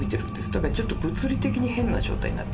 だからちょっと物理的に変な状態になってて。